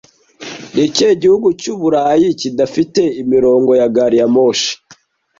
Nikihe gihugu cyu Burayi kidafite imirongo ya gari ya moshi